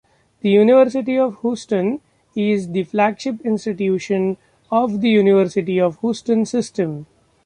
The University of Houston is the flagship institution of the University of Houston System.